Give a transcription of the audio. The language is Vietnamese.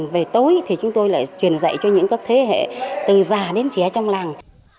về tối thì chúng tôi lại truyền dạy cho những các thế hệ từ già đến trẻ trong làng